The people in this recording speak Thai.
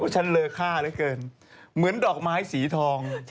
ฉันเลอค่าเหลือเกินเหมือนดอกไม้สีทอง